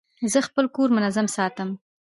زه خپل کور منظم ساتم.